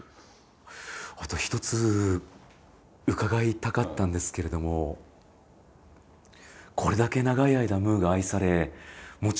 あと一つ伺いたかったんですけれどもこれだけ長い間「ムー」が愛されもちろん今も続いている。